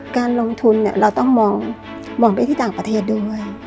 การลงทุนเราต้องมองไปที่ต่างประเทศด้วย